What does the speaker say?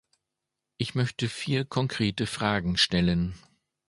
Ich möchte vier konkrete Fragen stellen.